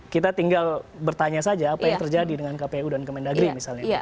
kita tinggal bertanya saja apa yang terjadi dengan kpu dan kemendagri misalnya